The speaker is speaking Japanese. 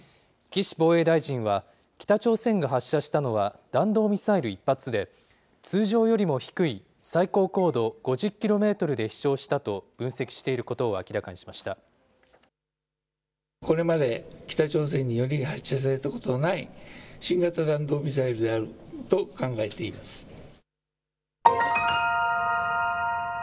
岸防衛大臣は、北朝鮮が発射したのは、弾道ミサイル１発で、通常よりも低い最高高度５０キロメートルで飛しょうしたと分析していることを明らかにしました。